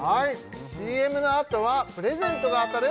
ＣＭのあとはプレゼントが当たる？